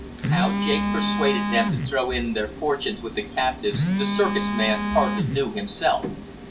How Jake persuaded them to throw in their fortunes with the captives the circus man hardly knew himself.